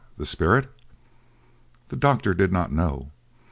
The spirit? The doctor did not know.